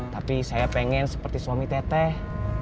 tapi saya pengen seperti suami teteh